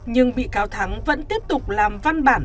nhưng bị cáo thắng vẫn tiếp tục làm văn bản